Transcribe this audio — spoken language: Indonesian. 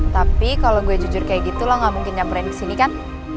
tapi kalo gue jujur kayak gitu lo nggak mungkin nyapuin kesini kan